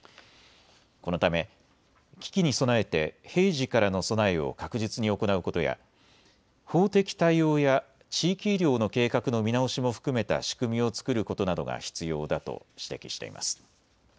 このため危機に備えて平時からの備えを確実に行うことや法的対応や地域医療の計画の見直しも含めた仕組みを作ることなどが必要だと指摘しています。